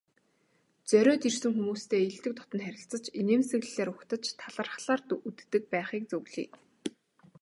Зориод ирсэн хүмүүстэй эелдэг дотно харилцаж, инээмсэглэлээр угтаж, талархлаар үддэг байхыг зөвлөе.